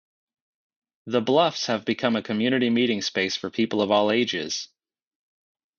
The Bluffs have become a community meeting place for people of all ages.